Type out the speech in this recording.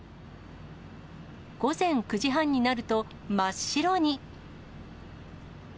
午前９時半になると、真っ白に。